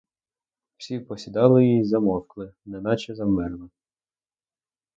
Всі посідали й замовкли, неначе завмерли.